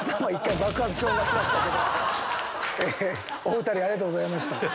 お２人ありがとうございました。